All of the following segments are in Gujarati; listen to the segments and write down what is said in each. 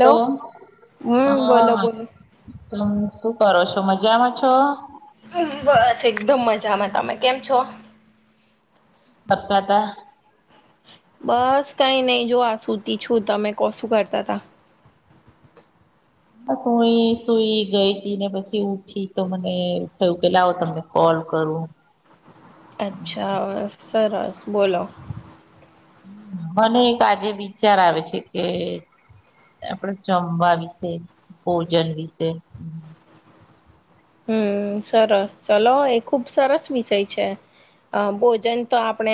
હલો હમ બોલો હા બોલો ત શું કરો છો મજામાં છો બસ એકદમ મજામાં તમે કેમ છો પતા હતા બસ કઈ નહી જો આ સૂતી છું તમે કોશું કરતા તા બસ હું સુઈ ગઈ ત ને પછી ઉઠી તો મને થયું કેલા આવો તમને કોલ ું કરવું અચ્છા સરસ બોલો મને એક આજે વિચાર આવે છે કે આપડે જમવા વિશે ભોજન વિશે હમ્મ સરસ ચલો એ ખુબ સરસ વિષય છે. અહ ભોજન તો આપણે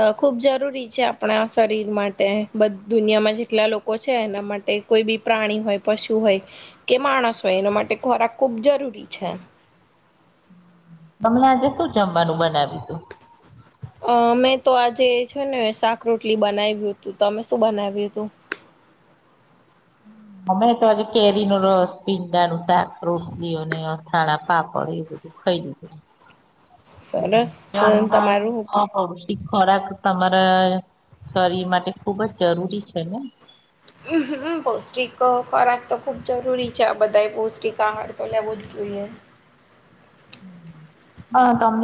અહ ખુબ જરૂરી છે આપણા શરીર માટે બધ દુનિયામાં જેટલા લોકો છે એના માટે કોઈ બી પ્રાણી હોય પશુ હોય કે માણસ હોય એના માટે ખોરાક ખૂબ જરૂરી છે. હમણાં આજે શું જમવાનું બનાવ્યું તું? અહ મૈ તો આજે છે ને શાક રોટલી બનાવ્યું તું. તમે શું બનાવ્યું તું? [inaudible] અમ્મ અમે તો આજે કેરી નો રસ, પીંડા નું શાક, રોટલી અને અથણા પાપડ એ [inaudible] ખઈ લીધું. હમ્મ સરસ જમવાનું તમારું [inaudible] એક ખોરાક તમારા શરીર માટે ખુબ જ જરૂરી છે ને? અમ્મ હમ્મ પૌષ્ટિક ક ખોરાક તો ખુબ જરૂરી છે આ બધા પૌષ્ટિક આહાર તો લેવો જ જોઈએ. હ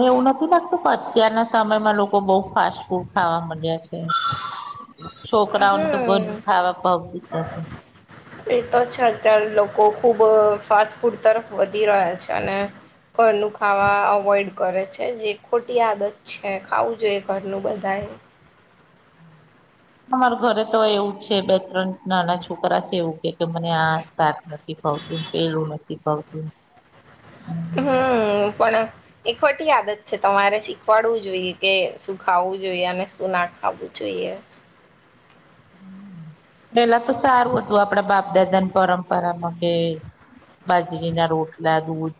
એવું નથી લાગતું અત્યારના સમયમાં લોકો બઉુ ફાસ્ટ ફૂડ ખાવા માંડ્યા છે. છોકરાઓને તો બર હમ ખાવા [inaudible] કો ખૂબ ફાસ્ટ ફૂડ તરફ વધી રહ્યા છે અને ઘરનું ખાવા અવોઈડ કરે છે જે ખોટી આદત છે. ખાવું જોઈએ ઘરનું બધાએ એવું. માર ઘરે તો એવું જ છે બે ત્રણ નાના છોકરા છે એવું કે મને આ શાક નથી ફાવતું પલું નથી ફાવતું. હમ્મ પણ એખોટી આદત છે, તમારે શીખવાડવું જોઈએ કે શું ખાવું જોઈએ અને શું ના ખાવું જો ઈએ. હમ્મ, પેલા તો સારું હતું આપડા બાપ દાદાની પરંપરા માટે બાજરીના રોટલા દૂધ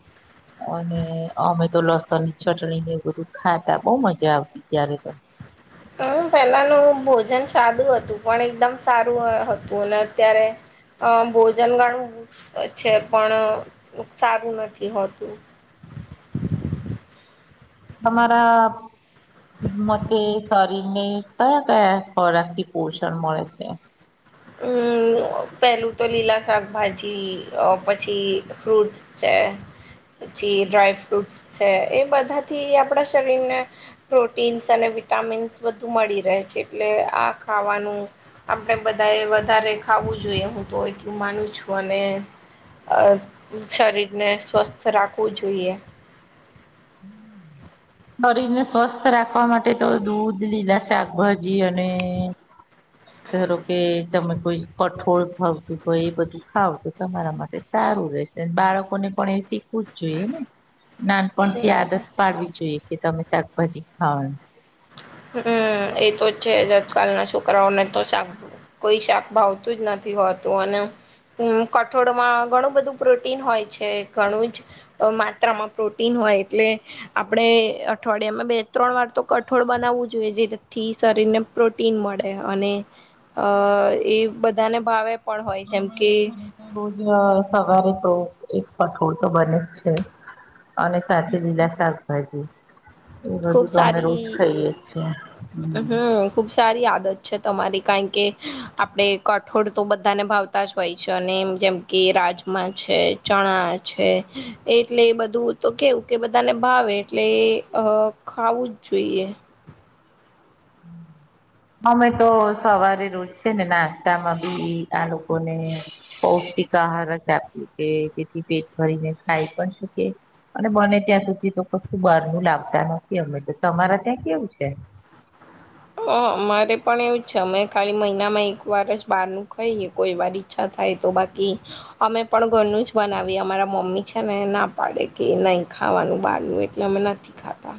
અને અમે તો લસણ ચટણી ને એ બધું ખાતા બહુ મજા આવતી ત્યારે તો હમ્મ, પેલાનું ભોજન સાદું હતું પણ એકદમ સારું અહ હતું અને અત્યારે અહ ભોજન ગણું છે પણ સારું નથી હોતું. તમારા મતે શરીને કયા કયા ખોરાખ થી પોષણ મળે છે? અમ્મ હમ્મ. પેલું તો લીલા શાકભાજી અહ પછી ફ્રૂટ્સ છે. [inaudible] પછી ડ્રાયફ્રુટસ છે એ બધાથી આપણા શરીરને પ્રોટીન્સ અને વિટામિન્સ બધું મળી રહે છે એટલે આ ખાવાનું આપણે બધ બા વધારે ખાવું જોઈએ હું તો એટલું માનું છું. અને અહ શરીરને સ્વસ્થ રાખવું જોઈએ. હમ્મ. શરીર ને સ્વસ્થ રાખવા માટે તો દૂધ લીધા શાકભાજી અને ધરો કે તમે કોઈ કઠોળ ભાવતું હોય એ બધું ખાવ તો તમારા માટે સા રું રહશે. બાળકોને પણ એ શીખવું જ જોઈએ ને? ના પનથી હમ આદત પાડવી જોઈએ કે તમે શાકભાજી ખાવાનું. હમ્મ એતો જ છે જ. આજકાલના છોકરાઓને તો શાકભું કોઈ શાક ભાવતું જ નથી હોતું અને ઉમ કઠોળમાં ઘણું બધું પ્રોટીન હોય છે ઘણું જ અહ માત્રામાં પ્રોટીન હોય એટલે આપણે અઠવાડિયામાં બે ત્રણ વાર તો ક ઠોળ બનાવવું જોઈએ જેથી શરીરને પ્રોટીન મળે અને અહ એ બ બધાને ભાવે પણ હોય હા જેમ કે મારા ઘરે તો રોજ અહ સવારે પ્રો એક કઠોળ તો બને જ છે અને સાથે લીલા શાકભાજી એ ખુબ બધું તો અમે સારી રોજ ખાઈએ છીએ હમ. હમ ખુબ સારી આદત છે તમારી કારણ કે આપણે કઠોળ તો બધાને ભાવતા જ હોય છે અને જેમ કે રાજમા છે ચણા છે એટલે એ બધું તો કેવું કે બધાને ભાવે એટલે એ ખાવું જ જોઈએ હમ અમે તો સવારે રોજ છે ને નાસ્તા માં બી આ લોકોને બહું [unintelligible] જ આપ કે તેથી પેટ ભરીને ખાય પણ શકે અને બને ત્યાં સુધી તો કશું બહાર નું લાવતા નથી અમે તો તમારા ત્યાં કેવું છે [inaudible] હ અમારે પણ એવું છે અમે ખાલી મહિનામાં એક વાર જ બાર નું ખાઈએ કોઈ વાર ઈચ્છા થ થાય તો બાકી અમે પણ ઘરનું જ બનાવીએ અમારા મમ્મી છે ને ના પાડે કે નહી ખ ખાવાનું બહારનું એટલે અમે નથી ખાતા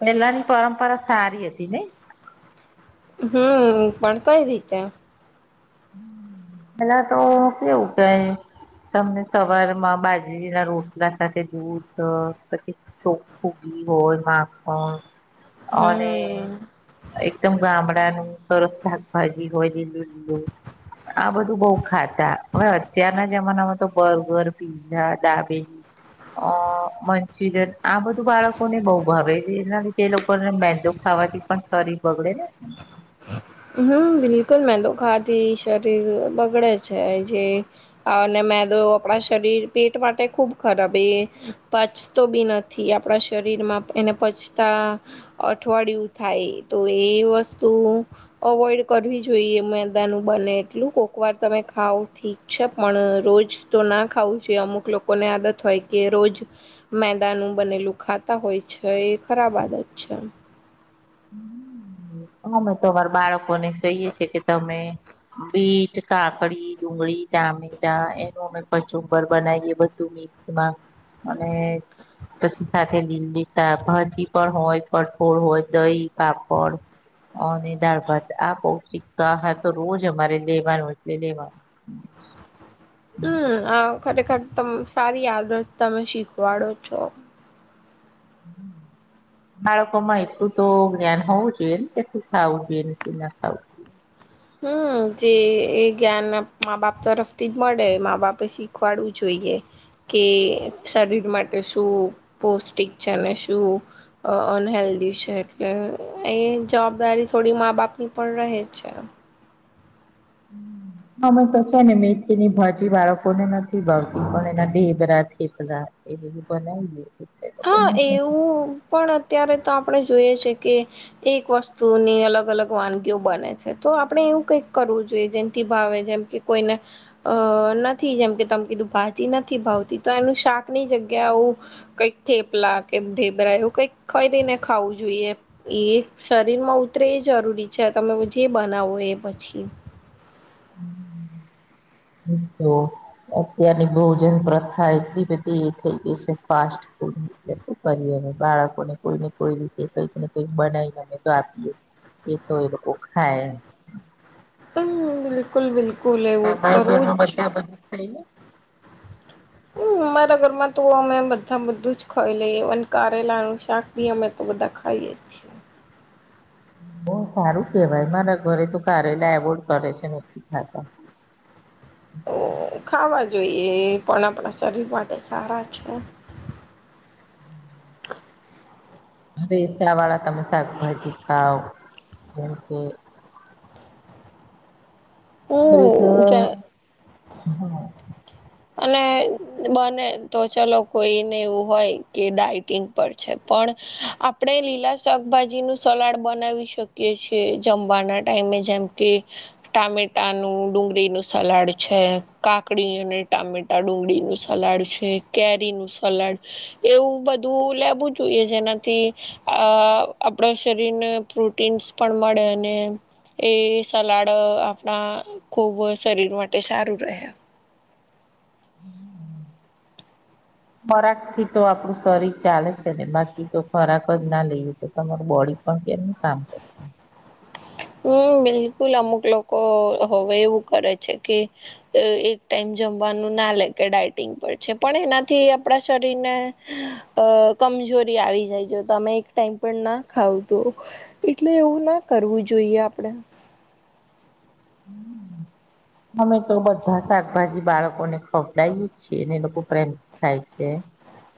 પેલાની પરંપરા સારી હતી ને હમ પણ કઈ રીતે પેલા તો કેવું કેય તમને સવારમાં બાજરી ના રોટલા સાથે દૂધ પછી ચોખું હોય માખણ અને હમ એકદમ ગામડાનું સરસ શાકભાજી હોય લીલું લીલું આ બધું બહુ ખાતા હવે અત્યારના જમાનામાં તો બર્ગર પીઝા ડાબેલી અ મંચુરિયન આ બધું બાળકોને બહુ ભાવે છે એના લીધે એ લોકોને મેંદો ખાવાથી પણ શરીર બગડે ને હમ બિલકુલ મેંદો ખાવાથી શરીર બગડે છે જે અને મેંદો આપણા શરીર પેટ માટે ખુબ ખરાબ એ પચતો બી નથી આપણા શરીર શરીરમાં એને પછતા અઠવાડિયું થાય તો એ વસ્તુ અવોઈડ કરવી જોઈએ મેદાનું બને એટલું કોકવાર તમે ખાવ ઠીક છે પણ રોજ જ તો ના ખાવું જોઈ અમુક લોકો ને આદત હોય કે રોજ મેદાનુ બનેલું ખાતા હોય છે એ ખરાબ આદત છે [inaudible] અમેતો અમારા બાળકો ને કહીએ છે કે તમે બીટ કાકડી ડુંગળી ટામેટા એનું અમે કચુંબર બનાવીયએ બધું [unintelligible] અને પછી સાથે લીલી શાકભાજી પણ હોય કટોડ હોય દહી પાપડ દાળ ભાત આ બહુજ [unintelligible] તો રોજ અમારે લેવાનું એટલે લેવાનું હમ ખરેખર સારી આદત તમે શીખવાડો છો [unintelligible] બાળકોમાં એટલું તો જ્ઞાન હોવું જોઈએ ને કે શું ખાવું જોઈએને શું ના ખાવું જોઈએ હમ જે એ જ્ઞાન મા બાપ તરફથી જ મળે મા બાપે શીખવાડું જોઈએ કે શરીર માટે શું પૌષ્ટિક છે શું અનહેલ્ધી છે એટલે એ જવાબદારી થોડી મા બાપ ની પણ રહે છે હમ અમે તો છે ને મેથી ની ભાજી બાળકો ને નથી ભાવતી પણ એના ઢેબરા થેપલા એ બધું બનાવીએં હા એવું પણ અત્યારે તો આપણે જોઈએ છે કે એક વસ્તુની અલગ અલગ વાનગીઓ બને છે તો આપડણે એવું કઈક કરવું જેથી ભાવે જેમ કે કોઈને અ નથી જેમ કે તમે કીધું ભાજી નથી ભાવતી તો એનું શાકની જગ્યા આવું કઈક થેપલા કે ઢેબરા એવું કઈ કઈને ખાવું જોઈએ એ શરીર માં ઉતરે જરૂરી છે તમે જે બનાવો એ પછી [inaudible] તો અત્યારની ભોજનપ્રથા એટલી બધી એ થઈ ગઈ છે ફાસ્ટ શું કરીએ બાળકોને કોઈને કોઈ રીતે કઈકને કઈક બનાવીને અમેતો આપીએ એ તો એ લોકો ખાય પણ બિલકુલ બિલકુલ એવું અમારા કરવું ઘરમાં જ બધા બધું ખાય ને હમ [inaudible] અમારા ઘરમાં તો અમે બધા બધું જ ખાઈ લઈએ કારેલા નું શાક ભી અમે તો બધા ખાઈએ [unintelligible] [inaudible] બહુ સારું કેવાય મારા ઘરે તું કરેલા એવોર્ડ કરે છે નથી ખાતા [inaudible] ખાવા જોઈએ પણ આપણા શરીર માટે સારા છે [unintelligible] હવે [unintelligible] વાળા તમે શાકભાજી ખાવ જેમ કે હું જ [unintelligible] અને બને તો ચલો કોઈને એવું હોય કે ડઇટિંગ પર છે પણ આપણેે લીલા શાકભાજી નું સલાડ બનાવી શકીએ છીએ જમવાના ટાઈમે જમ કે ટામેટા નું ડુંગળી નું સલાડ છે કાકડી ટામેટા- ડુંગળીનું સલાડ છે, કેરીનું સલાડ એવું બધું લેવું જોઈ કે જેનાથી આ આપણા શરીરને પ્રોટીન્સ પણ મળે અને એ સલાડ આપણા ખૂબ શરીર માટે સારું રહે. હમ હમ ખોરાકથી તો આપડું શરીર ચાલે છે ને બાકી તો ખોરાક જ ના લઈએ તો તમાર બોડી પણ કેમનું કામ કરશે? હમ બિલકુલ અમુક લોકો હવે એવું કરે છે કે અ એક ટાઈમ જમવાનું ના લે કે ડાયટિંગ પર છે પણ એનાથી આપણા શરીરને અ કમ કમજોરી આવી જાય જો તમે એક ટાઈમ પણ ના ખાવ તો એટલે એવું ના કરવું. જોઈએ આપણે અમે તો બધા શાકભાજી બાળકોને ખવડાયે જ છીએ ને લોકો પ્રેમ ખાય છે.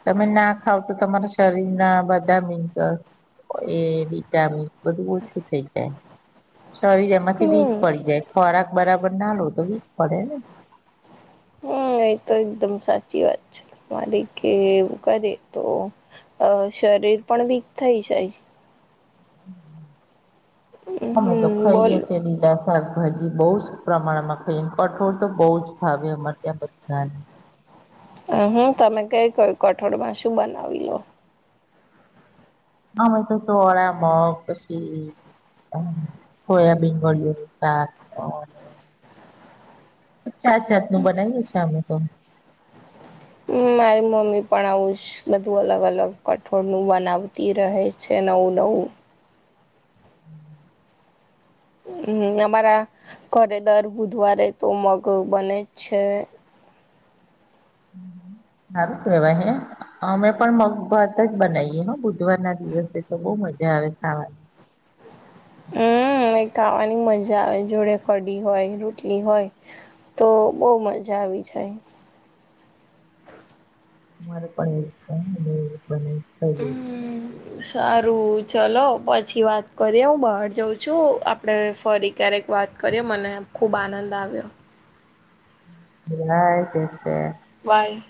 તમે ના ખાવ તો તમારા શરીરના બધા મિન્ક એ વિટામિન્સ બધું ઓછું થઈ જાય શોરીર એમાંથી વીક હમ પડી જાય ખોરાક બરાબર ના લો તો વીક પડે ને [inaudible] હમ એ તો એકદમ સાચી વાત છે, મારી કે એવું કરે તો અ શરીર પણ વીક થઈ જાય અમે તો હમ ખઇએ બોલ છીએ લીલા શાકભાજી બહુ જ પ્રમાણમાં ખઈએ ને કઠોળ તો બહુ જ ભાવે અમારે ત્યાં બધાને. હ હમ તમે કઈ કય કઠોળમાં શું બનાવી લો અમે તો ચોળા, મગ પછી હ સોયાબીન બળયુ તા જાત જાતનું બનાવીએ છીએ અમે તો. હમ મારી મમ્મી પણ આવું જ બધું અલગ અલગ કઠોળનું બનાવતી રહે છે. એટલે હું લઉ. હમ. હમ અમારા ઘરે દર બુધવારે તો મગ બને જ છે. સારું કેવાય હે અમે પણ મગભાત જ બનાવીએ હ બુધવારના દિ દિવસે તો બહુ મજા આવે ખાવાની. હમ એક ખાવાની મજા આવે જોડે કઢી હોય રોટલી હોય તો બહુ મજા આવી જ અરે પણ છે બ થઈ ગયું હમ સારું ચલો પછી વાત કરીએ હું બહાર જાઉં છું આપડે ફરી ક્યારેક વાત કરીએ મને ખૂબ આનંદ આવ્યો. [unintelligible] વાય